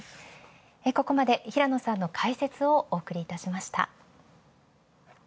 ここまで平野さんの解説をお送りいたしました。